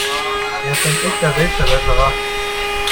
Er ist ein echter Weltverbesserer.